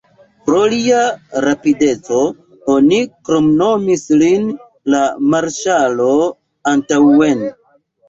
Pro lia rapideco oni kromnomis lin "La marŝalo antaŭen".